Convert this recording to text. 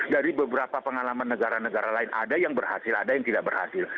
dari beberapa pengalaman negara negara lain ada yang berhasil ada yang tidak berhasil